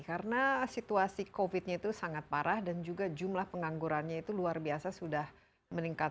karena situasi covid nya itu sangat parah dan juga jumlah penganggurannya itu luar biasa sudah meningkat